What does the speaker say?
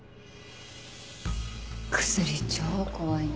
薬超怖いね。